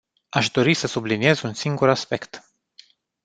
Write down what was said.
Aș dori să subliniez un singur aspect.